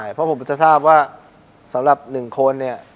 ใช่เพราะผมจะทราบว่าสำหรับหนึ่งคนเนี่ย